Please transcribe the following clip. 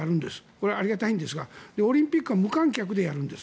これはありがたいんですがオリンピックは無観客でやるんです。